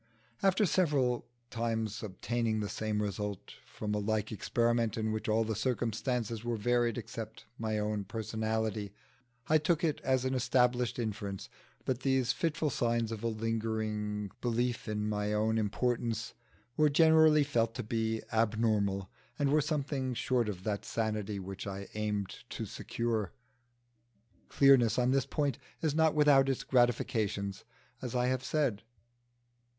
After several times obtaining the same result from a like experiment in which all the circumstances were varied except my own personality, I took it as an established inference that these fitful signs of a lingering belief in my own importance were generally felt to be abnormal, and were something short of that sanity which I aimed to secure. Clearness on this point is not without its gratifications, as I have said.